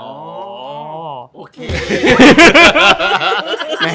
โอเค